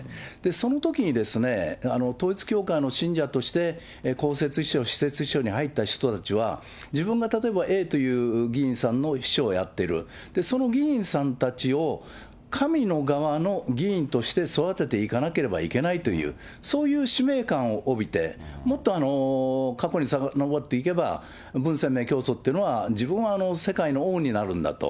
そのときに統一教会の信者として公設秘書、私設秘書に入った人たちは、自分が例えば、Ａという議員さんの秘書をやっている、その議員さんたちを、神の側の議員として育てていかなければいけないという、そういう使命感を帯びて、もっと過去にさかのぼっていけば、文鮮明教祖というのは、自分は世界の王になるんだと、